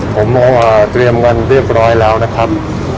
ผมเตรียมกันเรียบร้อยแล้วนะครับ